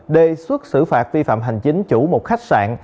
đề xuất xử phạt vi phạm hành chính chủ một khách sạn